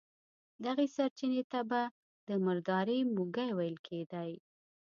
دغې سرچينې ته به د مردارۍ موږی ويل کېدی.